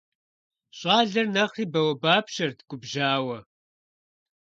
Щӏалэр нэхъри бауэбапщэрт губжьауэ.